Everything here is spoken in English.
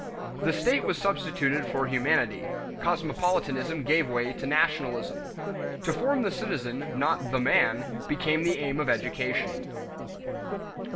The "state" was substituted for humanity; cosmopolitanism gave way to nationalism. To form the citizen, not the "man," became the aim of education.